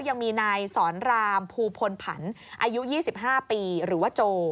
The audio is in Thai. ยังมีนายสอนรามภูพลผันอายุ๒๕ปีหรือว่าโจ